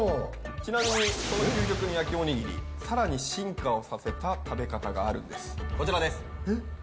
ちなみにこの究極の焼きおにぎり更に進化をさせた食べ方があるんですこちらですえっ？